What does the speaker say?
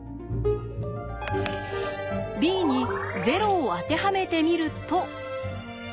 「ｂ」に「０」を当てはめてみると。